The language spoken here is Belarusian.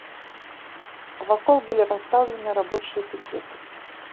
Вакол былі расстаўлены рабочыя пікеты.